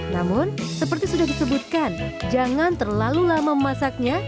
namun seperti sudah disebutkan jangan terlalu lama memasaknya